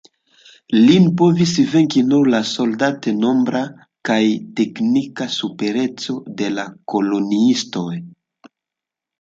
Lin povis venki nur la soldat-nombra kaj teknika supereco de la koloniistoj.